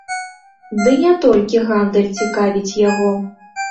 Ды не толькі гандаль цікавіць яго.